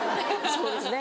そうですね。